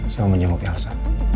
saya mau menjemput elsa